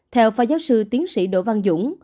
theo pha giáo sư tiến sĩ đỗ văn dũng